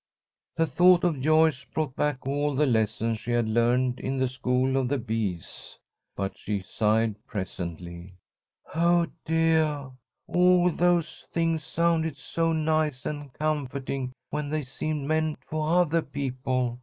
The thought of Joyce brought back all the lessons she had learned in the School of the Bees. But she sighed presently: "Oh, deah, all those things sounded so nice and comforting when they seemed meant for othah people.